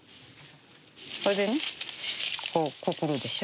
それでねここくくるでしょ。